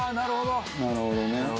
「なるほどね」